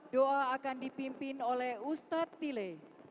doa akan dipimpin oleh ustadz tile